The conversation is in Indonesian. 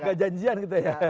gak janjian gitu ya